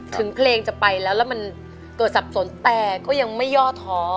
ถึงเพลงจะไปแล้วแล้วมันเกิดสับสนแต่ก็ยังไม่ย่อท้อ